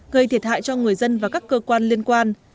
gây thiệt hại cho người dân và các cơ quan liên quan